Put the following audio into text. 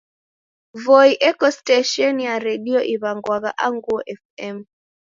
Voi eko stesheni ya redio iw'angwagha Anguo FM.